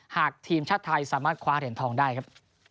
หากทีมชาติไทยสามารถคว้าเหรียญทองได้ครับ